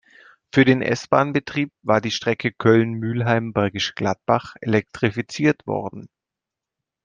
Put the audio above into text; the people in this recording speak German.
Für den S-Bahn-Betrieb war die Strecke Köln-Mülheim–Bergisch Gladbach elektrifiziert worden.